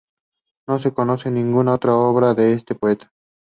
No se conoce ninguna otra obra de este poeta.